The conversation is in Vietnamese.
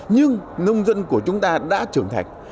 nhưng nông dân của chúng ta đã trưởng thành